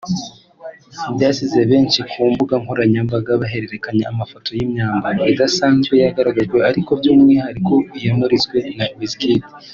byasize benshi ku mbuga nkoranyambaga bahererekanya amafoto y’imyambaro idasanzwe yagaragajwe ariko by’umwihariko iyamuritswe na Wizkid